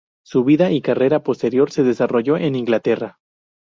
Su vida y carrera posterior se desarrolló en Inglaterra.